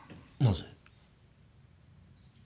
なぜ？